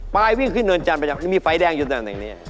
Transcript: ปลายวิ่งขึ้นเนินจันทร์มีไฟแดงอยู่ตรงแบบนี้